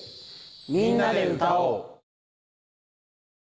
「みんなで歌おう」。